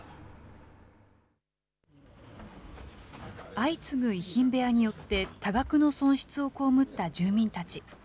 相次ぐ遺品部屋によって、多額の損失を被った住民たち。